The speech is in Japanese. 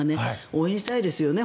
応援したいですよね。